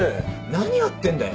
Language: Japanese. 何やってんだよ。